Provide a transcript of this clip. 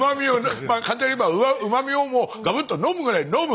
簡単に言えばうま味をもうガブッと飲むぐらい飲む！